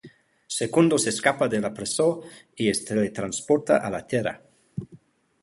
Secundus escapa de la presó i es teletransporta a la Terra.